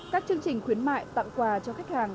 các chương trình khuyến mại tặng quà cho khách hàng